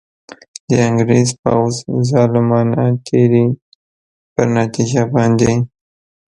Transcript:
د انګرېز پوځ ظالمانه تېري پر نتیجه باندي.